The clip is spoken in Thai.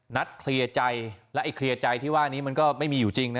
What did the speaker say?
นัดเคลียร์ใจและไอเคลียร์ใจที่ว่านี้มันก็ไม่มีอยู่จริงนะ